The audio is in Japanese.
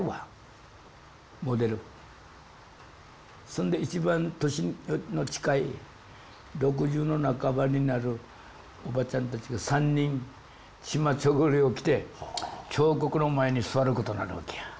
そんで一番年の近い６０の半ばになるおばちゃんたちが３人チマチョゴリを着て彫刻の前に座ることになるわけや。